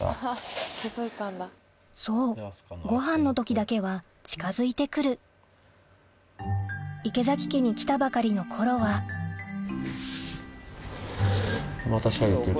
そうごはんの時だけは近づいて来る池崎家に来たばかりの頃はまたシャ言ってる。